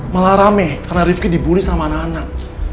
malah rame karena rifki dibully sama anak anak